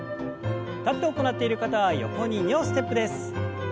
立って行っている方は横に２歩ステップです。